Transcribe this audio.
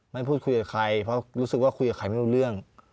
พูดคุยกับใครเพราะรู้สึกว่าคุยกับใครไม่รู้เรื่อง